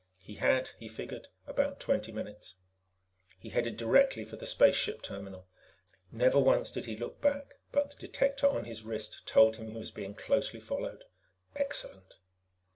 He had, he figured, about twenty minutes. He headed directly for the spaceship terminal. Never once did he look back, but the detector on his wrist told him that he was being closely followed. Excellent!